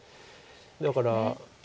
だから。